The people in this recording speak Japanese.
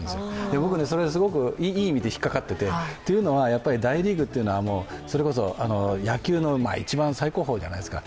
僕ね、それすごくいい意味で引っかかっててというのは、大リーグというのは野球の一番最高峰じゃないですか。